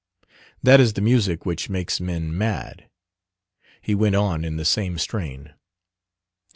That is the music which makes men mad. He went on in the same strain.